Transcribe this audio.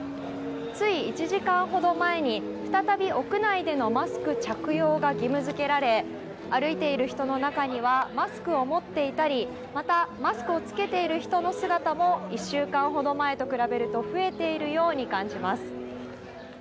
つい１時間ほど前に再び屋内でのマスク着用が義務付けられ歩いている人の中にはマスクを持っていたりまた、マスクを着けている人の姿も１週間ほど前と比べると増えているように感じます。